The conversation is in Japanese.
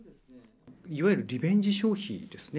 いわゆるリベンジ消費ですね。